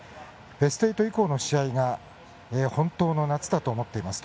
ベスト８以降の試合が本当の夏だと思っています。